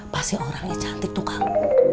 pasti orangnya cantik tuh kamu